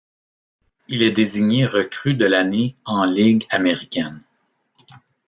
Il est désigné recrue de l'année en ligue américaine.